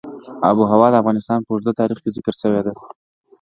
آب وهوا د افغانستان په اوږده تاریخ کې ذکر شوی دی.